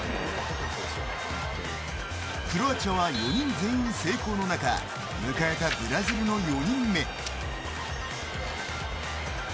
クロアチアは４人全員成功の中迎えたブラジルの４人目。